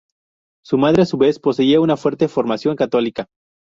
Su madre, a su vez, poseía una fuerte formación católica.